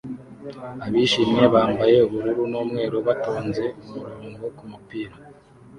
Abishimye bambaye ubururu n'umweru batonze umurongo kumupira